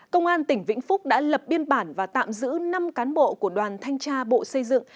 công an tỉnh vĩnh phúc đã lập biên bản và tạm giữ năm cán bộ của đoàn thanh tra bộ xây dựng